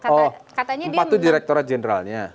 oh empat itu direkturat jenderalnya